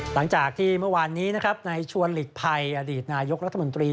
หลังจากที่เมื่อวานนี้นะครับในชวนหลีกภัยอดีตนายกรัฐมนตรี